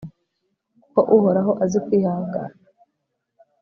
kuko uhoraho azi kwihangana